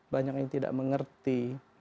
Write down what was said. banyak yang tidak mengerti